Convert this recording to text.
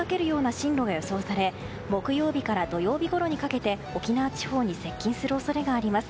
進路が予想され木曜日から土曜日ごろにかけて沖縄地方に接近する恐れがあります。